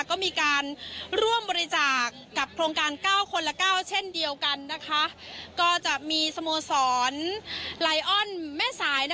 ก็มีการร่วมบริจาคกับโครงการเก้าคนละเก้าเช่นเดียวกันนะคะก็จะมีสโมสรไลออนแม่สาย